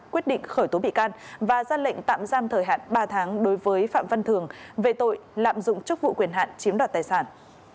quyết định khởi tố bị can và ra lệnh tạm giam thời hạn ba tháng đối với phạm văn thường về tội lạm dụng chức vụ quyền hạn chiếm đoạt tài sản